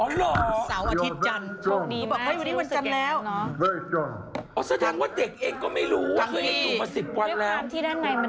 อ๋อเหรอสาวอาทิตย์จันทร์โชคดีมากคิดว่าจะรู้สึกแก่งแล้วโชคดีมากคิดว่าจะรู้สึกแก่งแล้ว